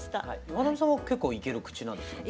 岩波さんは結構いける口なんですか？